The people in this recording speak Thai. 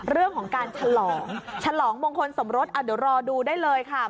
เรื่องของการฉลองเฉลางวงคลสมรสดหร่อด้วะดูได้เลยค่ะ